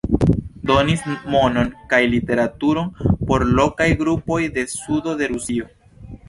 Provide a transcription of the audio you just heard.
Donis monon kaj literaturon por lokaj grupoj de sudo de Rusio.